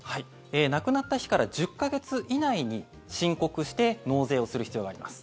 亡くなった日から１０か月以内に申告して納税をする必要があります。